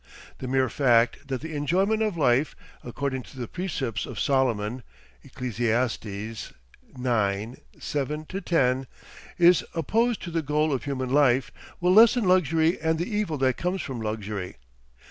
The mere fact that the enjoyment of life according to the precepts of Solomon (Ecelesiastes ix. 7 10)* is opposed to the goal of human life, will lessen luxury and the evil that comes from luxury.